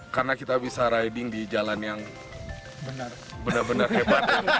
karena kita bisa riding di jalan yang benar benar hebat